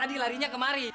jadi kita lagi ke sana